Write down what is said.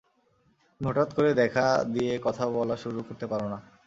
তুমি হঠাৎ করে দেখা দিয়ে কথা বলা শুরু করতে পারো না।